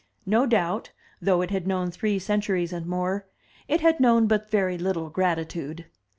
No doubt, though it had known three centuries and more, it had known but very little gratitude.